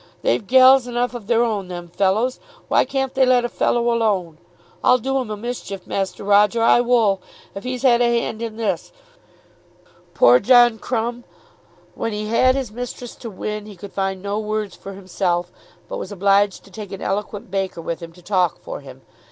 They've gals enough of their own, them fellows. Why can't they let a fellow alone? I'll do him a mischief, Master Roger; I wull; if he's had a hand in this." Poor John Crumb! When he had his mistress to win he could find no words for himself; but was obliged to take an eloquent baker with him to talk for him.